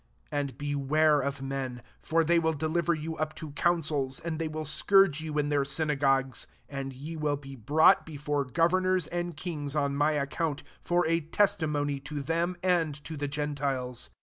17 And beware of men : for they will deliver you up to councils, and they will scourge you in their synagogues. 18 And ye will be brought before governors and kings on my account ; for a testimony to them and to the gentiles.